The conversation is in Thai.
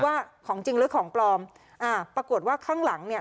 ว่าของจริงหรือของปลอมอ่าปรากฏว่าข้างหลังเนี่ย